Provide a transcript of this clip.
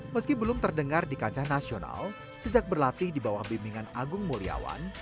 meski belum terdengar di kancah nasional sejak berlatih di bawah bimbingan agung muliawan